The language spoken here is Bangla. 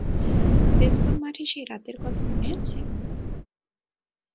বেসবল মাঠে সেই রাতের কথা মনে আছে?